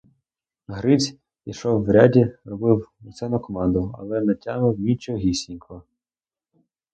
Гриць ішов у ряді, робив усе на команду, але не тямив нічогісінько.